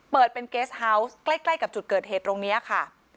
เปิดเป็นเกสเฮาวส์ใกล้กับจุดเกิดเหตุตรงนี้ค่ะ